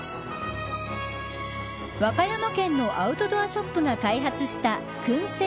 和歌山県のアウトドアショップが開発した燻製